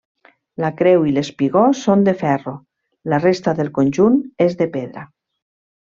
La creu i l'espigó són de ferro; la resta del conjunt és de pedra.